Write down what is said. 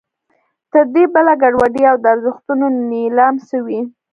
تر دې بله ګډوډي او د ارزښتونو نېلام څه وي.